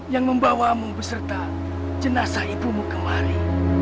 yang membawamu beserta jenazah ibumu kemari